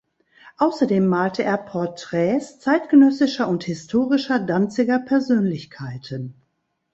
Außerdem malte er Porträts zeitgenössischer und historischer Danziger Persönlichkeiten.